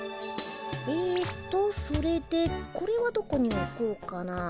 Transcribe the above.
えっとそれでこれはどこにおこうかな。